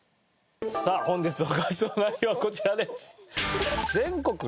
さあ本日の活動内容はこちらです。